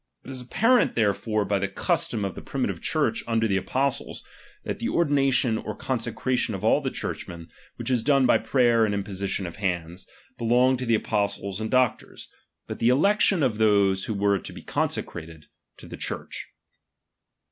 It is apparent therefore by the cus tom of the primitive Church under the apostles, that ^^1 the ordination or consecration of all churchmen, ^^| Tvhich is done by prayer and imposition of hands, ^^| belonged to the apostles and doctors ; but the election of those who were to be consecrated, to the Church.